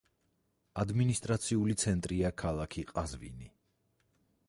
ადმინისტრაციული ცენტრია ქალაქი ყაზვინი.